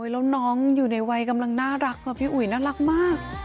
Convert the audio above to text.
แล้วน้องอยู่ในวัยกำลังน่ารักค่ะพี่อุ๋ยน่ารักมาก